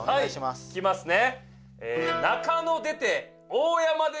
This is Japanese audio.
はいいきますね。